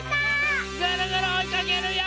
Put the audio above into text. ぐるぐるおいかけるよ！